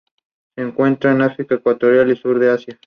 Pero yo no he perdido la esperanza.